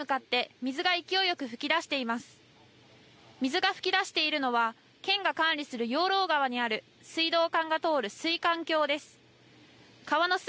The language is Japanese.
水が噴き出しているのは、県が管理する養老川にある水道管が通る水管橋です。